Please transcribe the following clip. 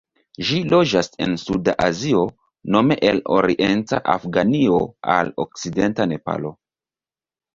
Ĝi loĝas en suda Azio, nome el orienta Afganio al okcidenta Nepalo.